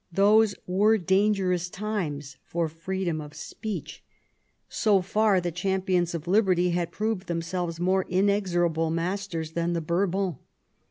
Those were dangerona times for freedom of speech. So far VISIT TO PABI8. 119 the champions of liberty had proved themselves more inexorable masters than the Bourbons.